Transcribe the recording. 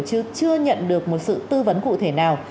chứ chưa nhận được một sự tư vấn cụ thể nào